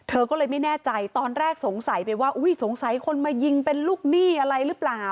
เธอก็เลยไม่แน่ใจตอนแรกสงสัยไปว่าอุ้ยสงสัยคนมายิงเป็นลูกหนี้อะไรหรือเปล่า